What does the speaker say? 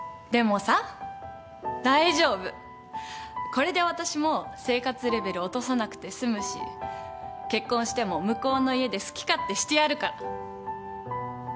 これで私も生活レベル落とさなくて済むし結婚しても向こうの家で好き勝手してやるから。